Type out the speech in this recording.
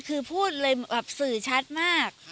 คือพูดเลยแบบสื่อชัดมาก